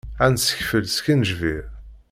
Ad d-nsekfel skenjbir.